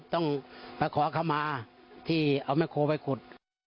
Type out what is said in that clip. ต้องประขอคำมาที่เอาแม่โครไปขุด